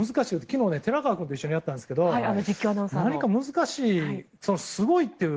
昨日、寺川君と一緒にやったんですけど何か難しいすごいという。